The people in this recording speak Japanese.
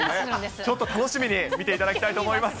ちょっと楽しみに見ていただきたいと思います。